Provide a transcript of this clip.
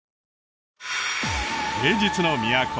芸術の都